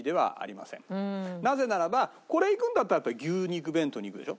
なぜならばこれいくんだったら牛肉弁当にいくでしょ？